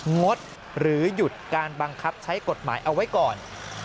งดหรือหยุดการบังคับใช้กฎหมายเอาไว้ก่อน